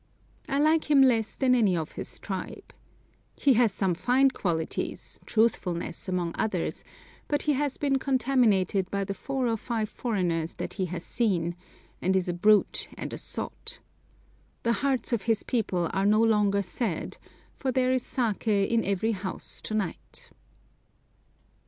I like him less than any of his tribe. He has some fine qualities, truthfulness among others, but he has been contaminated by the four or five foreigners that he has seen, and is a brute and a sot. The hearts of his people are no longer sad, for there is saké in every house to night.